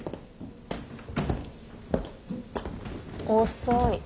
遅い。